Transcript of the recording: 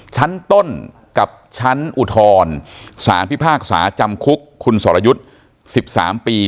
ชั้นต้นกับชั้นอุทรศาสตร์พิพาสสาจำคลุกคุณสรรยุทธ์สิบสามปี